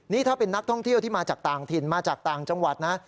นี่ถ้าเป็นนักท่องเที่ยวที่มาจากต่างถิ่นมาจากต่างจังหวัดนะ